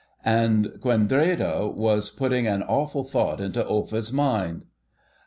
And Quendreda was putting an awful thought into Offa's mind.